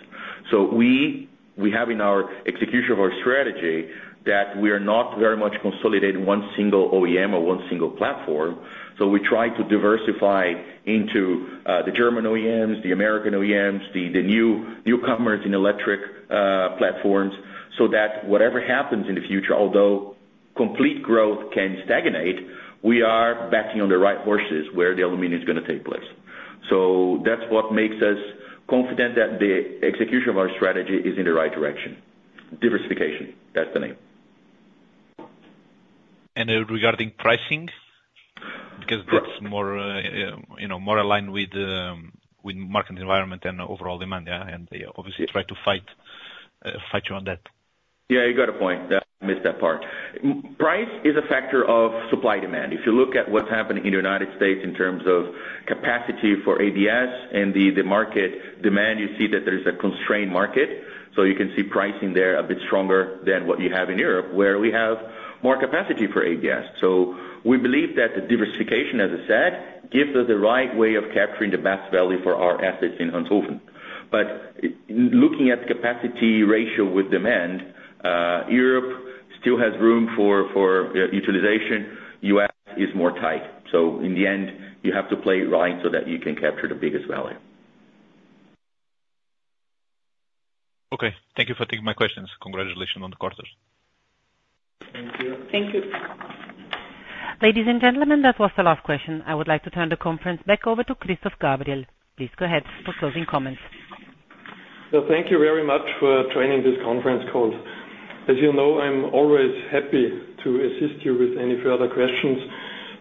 So we have in our execution of our strategy that we are not very much consolidating one single OEM or one single platform. So we try to diversify into the German OEMs, the American OEMs, the newcomers in electric platforms so that whatever happens in the future, although complete growth can stagnate, we are backing on the right horses where the aluminum is going to take place. That's what makes us confident that the execution of our strategy is in the right direction. Diversification, that's the name. Regarding pricing because that's more aligned with market environment and overall demand, yeah? Obviously, try to fight you on that. Yeah. You got a point. I missed that part. Price is a factor of supply demand. If you look at what's happening in the United States in terms of capacity for ABS and the market demand, you see that there is a constrained market. So you can see pricing there a bit stronger than what you have in Europe, where we have more capacity for ABS. So we believe that the diversification, as I said, gives us the right way of capturing the best value for our assets in Ranshofen. But looking at the capacity ratio with demand, Europe still has room for utilization. U.S. is more tight. So in the end, you have to play it right so that you can capture the biggest value. Okay. Thank you for taking my questions. Congratulations on the quarters. Thank you. Thank you. Ladies and gentlemen, that was the last question. I would like to turn the conference back over to Christoph Gabriel. Please go ahead for closing comments. So thank you very much for joining this conference call. As you know, I'm always happy to assist you with any further questions.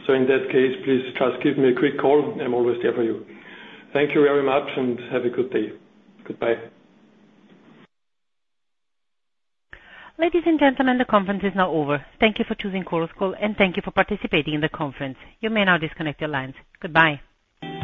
So in that case, please just give me a quick call. I'm always there for you. Thank you very much and have a good day. Goodbye. Ladies and gentlemen, the conference is now over. Thank you for choosing Chorus Call. Thank you for participating in the conference. You may now disconnect your lines. Goodbye.